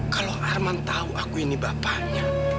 kalau arman tahu aku ini bapaknya